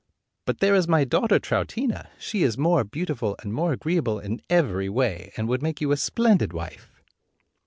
"But there is my daughter Troutina; she is more beautiful and more agreeable in every way, and would make you a splendid wife."